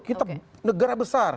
kita negara besar